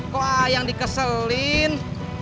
kok aa yang dikeselin